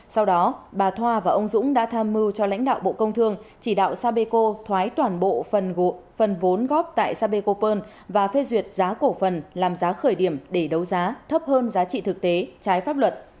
sau đó bà thoa và ông dũng đã tham mưu cho lãnh đạo bộ công thương chỉ đạo sapeco thoái toàn bộ phần vốn góp tại sapecopearl và phê duyệt giá cổ phần làm giá khởi điểm để đấu giá thấp hơn giá trị thực tế trái pháp luật